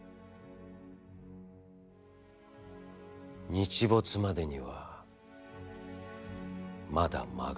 「日没までには、まだ間がある。